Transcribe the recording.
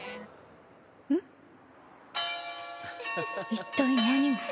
一体何が。